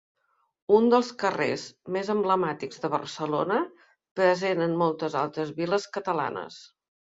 Un dels carrers més emblemàtics de Barcelona, present en moltes altres viles catalanes.